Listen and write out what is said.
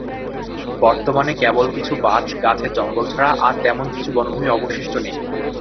বর্তমানে কেবল কিছু বার্চ গাছের জঙ্গল ছাড়া আর তেমন কিছু বনভূমি অবশিষ্ট নেই।